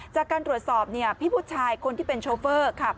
จากการตรวจสอบพี่ผู้ชายคนที่เป็นโชเฟอร์